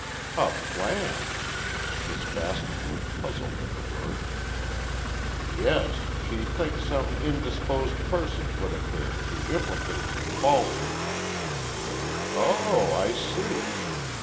"A plant?" Miss Bascom looked puzzled at the word. "Yes; she thinks some in disposed person put it there to implicate her, falsely." "Oh, I see.